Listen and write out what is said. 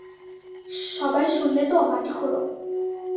সবাই শুনলে তো, মাটি খোঁড়ো।